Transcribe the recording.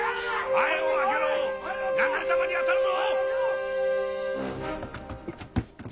前を空けろ流れ弾に当たるぞ！